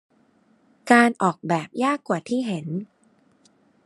การออกแบบยากกว่าที่เห็น